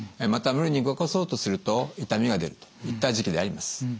また無理に動かそうとすると痛みが出るといった時期であります。